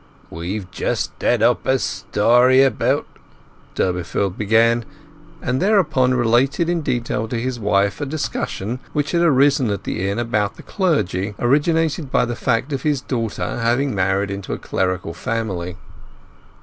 "We've just had up a story about—" Durbeyfield began, and thereupon related in detail to his wife a discussion which had arisen at the inn about the clergy, originated by the fact of his daughter having married into a clerical family.